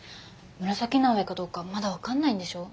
紫の上かどうかまだ分かんないんでしょ？